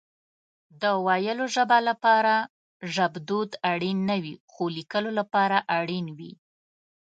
د ويلو ژبه لپاره ژبدود اړين نه وي خو ليکلو لپاره اړين وي